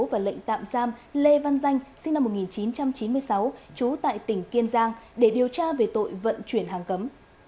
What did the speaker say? và lệnh tạm giam lê văn danh sinh năm một nghìn chín trăm chín mươi sáu trú tại tỉnh kiên giang để điều tra về tội vận chuyển hàng cấm